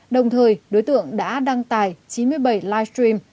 đồng thời đối tượng đã đăng tài chín mươi bảy livestream